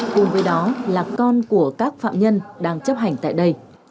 cùng với đó là con của các phạm nhân đang chấp hành tại đây